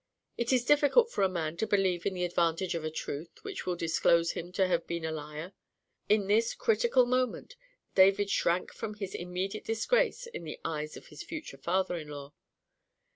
It is difficult for a man to believe in the advantage of a truth which will disclose him to have been a liar. In this critical moment, David shrank from this immediate disgrace in the eyes of his future father in law. "Mr.